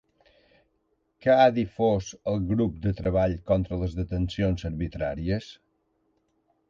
Què ha difós el grup de Treball contra les Detencions Arbitràries?